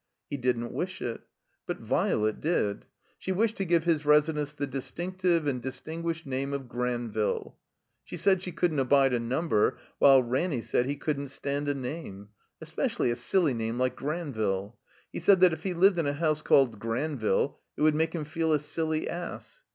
He didn't wish it. But Violet did. She wished to give his residence the distinctive and distinguished name of Granville. She said she couldn't abide a number, while Ranny said he couldn't stand a name. Especially a silly name like Granville. He said that if he lived in a house called Granville it would make him feel a silly ass.